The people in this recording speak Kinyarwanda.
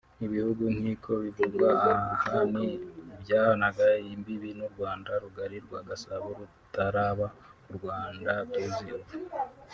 Ibihugu–nkiko bivugwa aha ni ibyahanaga imbibi n’u Rwanda rugari rwa Gasabo rutaraba uru Rwanda tuzi ubu